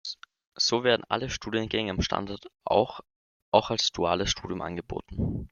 So werden alle Studiengänge am Standort auch als duales Studium angeboten.